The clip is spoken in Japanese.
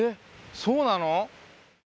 そうなの！？